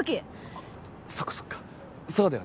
あっそうかそうかそうだよね。